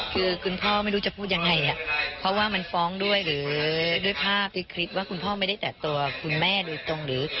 คือคุณพ่อไม่รู้จะพูดยังไงเพราะว่ามันฟ้องด้วยหรือด้วยภาพด้วยคลิปว่าคุณพ่อไม่ได้ตัดตัวคุณแม่โดยตรงหรือ